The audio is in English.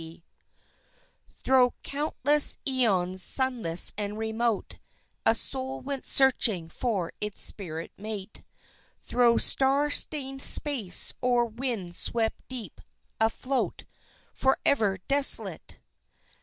Fate Thro' countless æons sunless and remote A Soul went searching for its spirit mate, Thro' star stained space, o'er wind swept deep, afloat, Forever desolate.